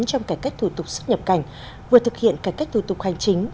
trong cải cách thủ tục xuất nhập cảnh vừa thực hiện cải cách thủ tục hành chính